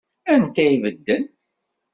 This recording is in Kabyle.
Anta i ibedden?